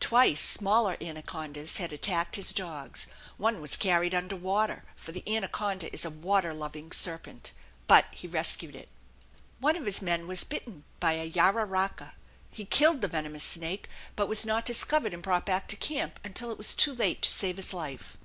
Twice smaller anacondas had attacked his dogs; one was carried under water for the anaconda is a water loving serpent but he rescued it. One of his men was bitten by a jararaca; he killed the venomous snake, but was not discovered and brought back to camp until it was too late to save his life.